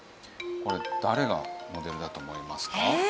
これ誰がモデルだと思いますか？